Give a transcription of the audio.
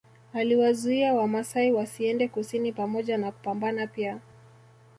Akiwazuia Wamasai wasiende kusini pamoja na kupambana pia